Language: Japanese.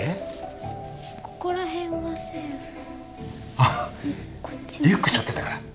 あリュックしょってたから。